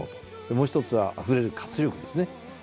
もう１つは溢れる活力ですね。